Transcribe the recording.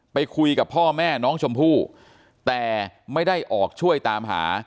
ไปคุยกับพ่อแม่น้องชมพู่แต่ไม่ได้ออกช่วยตามหา